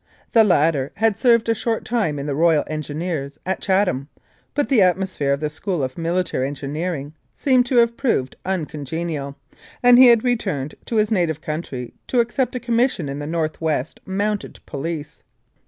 The latter had served a short time in the Royal Engineers at Chatham, but the atmosphere of the School of Military Engineering seemed to have proved uncongenial, and he had returned to his native country to accept a commission in the North West Mounted Police.